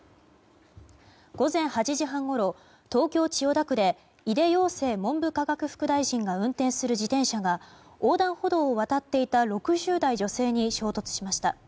午前８時半ごろ東京・千代田区で井出庸生文部科学副大臣が運転する自転車が横断歩道を渡っていた６０代女性に衝突しました。